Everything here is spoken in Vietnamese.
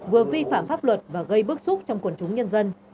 vừa vi phạm pháp luật và gây bức xúc trong quần chúng nhân dân